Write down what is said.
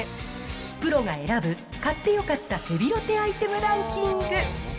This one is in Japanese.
プロが選ぶ買ってよかったヘビロテアイテムランキング。